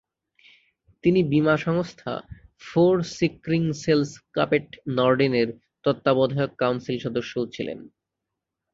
তিনি বীমা সংস্থা ফোরসিক্রিংসেলস্কাপেট নর্ডেনের তত্ত্বাবধায়ক কাউন্সিল সদস্যও ছিলেন।